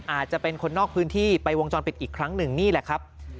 อาจจะเป็นคนนอกพื้นที่ไปวงจรปิดอีกครั้งหนึ่งนี่แหละครับ